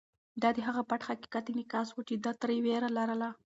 دا د هغه پټ حقیقت انعکاس و چې ده ترې وېره لرله.